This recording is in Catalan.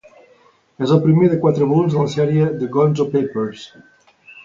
És el primer de quatres volums de la sèrie "The Gonzo Papers".